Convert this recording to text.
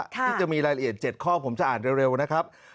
ที่จะมีรายละเอียด๗ข้อผมจะอ่านเร็วนะครับ